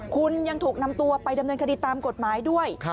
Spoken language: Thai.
คุณยังถูกนำตัวไปดำเนินคดีตามกฎหมายด้วย